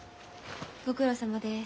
ご苦労さまです。